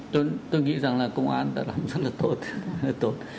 tôi nghĩ rằng là công an đã làm rất là tốt